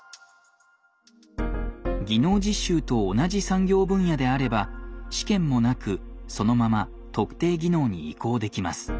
技能実習と同じ産業分野であれば試験もなくそのまま特定技能に移行できます。